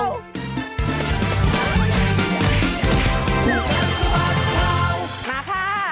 มาค่ะ